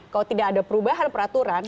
kalau tidak ada perubahan peraturan